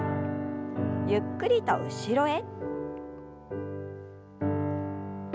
ゆっくりと後ろへ。